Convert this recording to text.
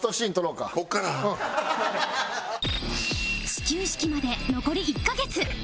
始球式まで残り１カ月